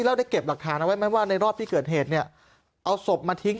แล้วได้เก็บหลักฐานเอาไว้ไหมว่าในรอบที่เกิดเหตุเนี่ยเอาศพมาทิ้ง